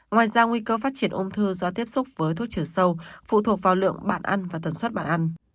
ngoài ra nguy cơ phát triển ung thư do tiếp xúc với thuốc trừ sâu phụ thuộc vào lượng bản ăn và tần suất bàn ăn